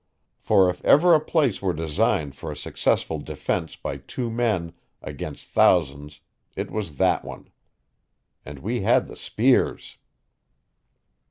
For if ever a place were designed for a successful defense by two men against thousands it was that one. And we had the spears.